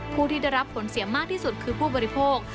ผู้ที่ได้รับผลเสียมากที่สุดคือผู้บริโภค